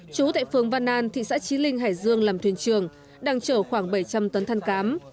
chú tại phường văn an thị xã trí linh hải dương làm thuyền trường đang chở khoảng bảy trăm linh tấn than cám